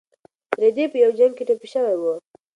رېدی په یو جنګ کې ټپي شوی و.